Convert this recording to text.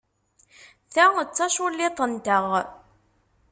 Ta d taculliḍt-nteɣ.